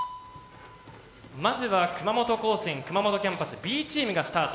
まずは熊本高専熊本キャンパスＢチームがスタート。